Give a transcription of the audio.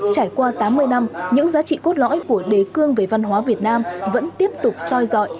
trải qua tám mươi năm những giá trị cốt lõi của đề cương về văn hóa việt nam vẫn tiếp tục soi dọi